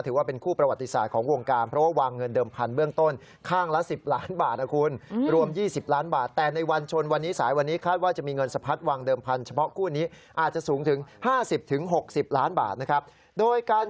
ถือว่าเป็นคู่ประวัติศาสตร์ของวงการ